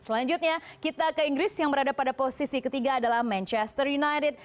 selanjutnya kita ke inggris yang berada pada posisi ketiga adalah manchester united